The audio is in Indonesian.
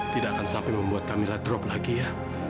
tidak akan sampai membuat kamila drop lagi ya